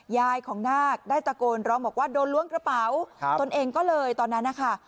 ยายของนาคได้ตะโกนร้องบอกว่าโดนล้วงกระเป๋าตนเองก็เลยตอนนั้นนะคะ